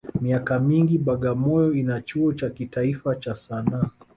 Miaka mingi Bagamoyo ina chuo cha kitaifa cha Sanaa